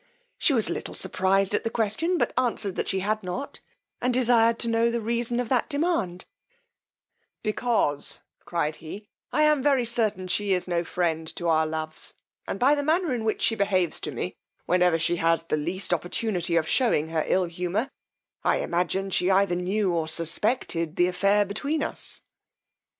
She was a little surprized at the question, but answered that she had not, and desired to know the reason of that demand; because, cried he, I am very certain she is no friend to our loves; and by the manner in which she behaves to me, whenever she has the least opportunity of shewing her ill humour, I imagined she either knew or suspected the affair between us.